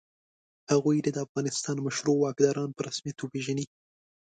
هغوی دې د افغانستان مشروع واکداران په رسمیت وپېژني.